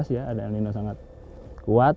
dua ribu enam belas ya ada el nino sangat kuat